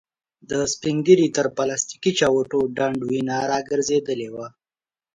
د سپين ږيري تر پلاستيکې چوټو ډنډ وينه را ګرځېدلې وه.